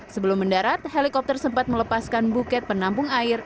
sebelum mendarat helikopter sempat melepaskan buket penampung air